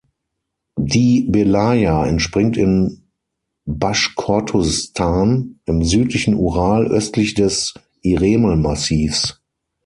Die Belaja entspringt in Baschkortostan im südlichen Ural, östlich des Iremel-Massivs.